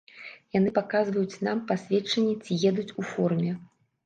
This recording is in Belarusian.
Яны паказваюць нам пасведчанне ці едуць у форме.